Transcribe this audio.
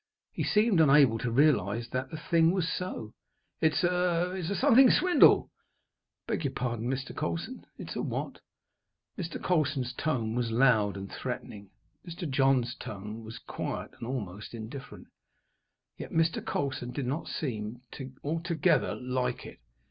He seemed unable to realize that the thing was so. "It's a something swindle!" "I beg your pardon, Mr. Colson it's a what?" Mr. Colson's tone was loud and threatening. Mr. Johns' tone was quiet, and almost indifferent. Yet Mr. Colson did not seem to altogether like it.